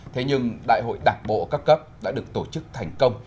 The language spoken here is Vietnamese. thế nhưng đại hội đảng bộ các cấp đã được tổ chức thành công